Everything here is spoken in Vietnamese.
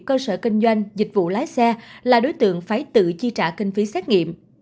cơ sở kinh doanh dịch vụ lái xe là đối tượng phải tự chi trả kinh phí xét nghiệm